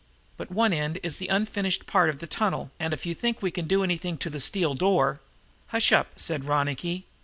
"But one end is the unfinished part of the tunnel; and, if you think we can do anything to the steel door " "Hush up," said Ronicky.